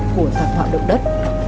bỏ đậu đất